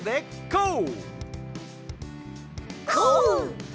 こう！